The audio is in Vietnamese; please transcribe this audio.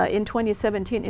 khi nói về